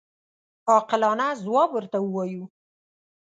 عاقلانه ځواب ورته ووایو.